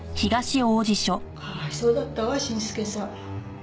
かわいそうだったわ伸介さん。